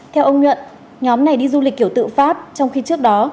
theo ông nhuận nhóm này đi du lịch kiểu tự pháp trong khi trước đó